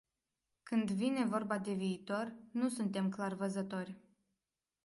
Când vine vorba de viitor, nu suntem clarvăzători.